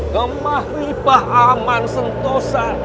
gemah ribah aman sentosa